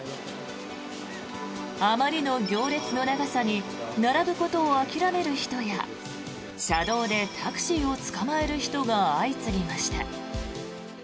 あまりの行列の長さに並ぶことを諦める人や車道でタクシーをつかまえる人が相次ぎました。